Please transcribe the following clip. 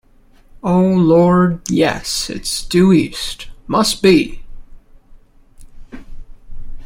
Oh, Lord, yes, it's due east — must be!